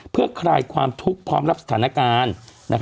เพื่อคลายความทุกข์พร้อมรับสถานการณ์